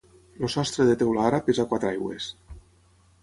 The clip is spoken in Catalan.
El sostre de teula àrab és a quatre aigües.